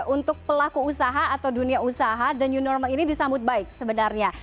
untuk pelaku usaha atau dunia usaha the new normal ini disambut baik sebenarnya